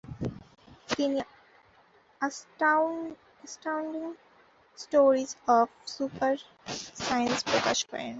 তিনি astounding stories of super science প্রকাশ করেন।